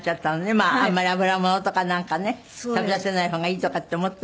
まああんまり油ものとかなんかね食べさせない方がいいとかって思ったんでしょうね。